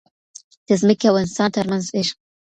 د ځمکې او انسان ترمنځ عشق.